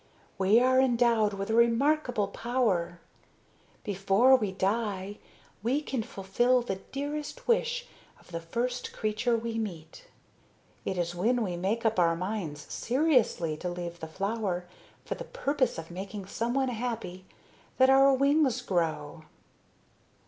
We are endowed with a remarkable power: before we die, we can fulfill the dearest wish of the first creature we meet. It is when we make up our minds seriously to leave the flower for the purpose of making someone happy that our wings grow."